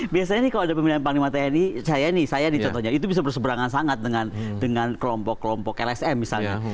biasanya nih kalau ada pemilihan panglima tni saya nih saya nih contohnya itu bisa berseberangan sangat dengan kelompok kelompok lsm misalnya